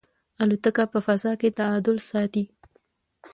الوتکه په فضا کې تعادل ساتي.